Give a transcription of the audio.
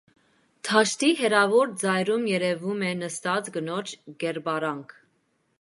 Դաշտի հեռավոր ծայրում երևում է նստած կնոջ կերպարանք։